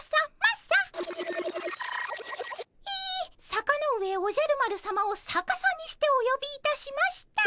「さかのうえおじゃるまるさま」をさかさにしておよびいたしました。